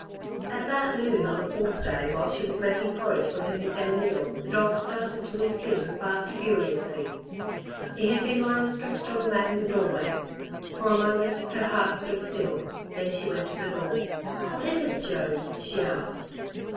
At about noon on the fourth day while she was making porridge for her midday meal, the dog started to his feet and barked furiously. He had been lying stretched on the mat in the doorway. For a moment her heart stood still. Then she went to the door. "What is it, Jo?" she asked.